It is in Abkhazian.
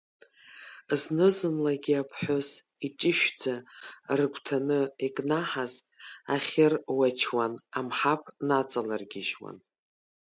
Зны-зынлагьы аԥҳәыс, иҷышәшәӡа рыгәҭаны икнаҳаз ахьыруачуан амҳаԥ наҵалыргьежьуан.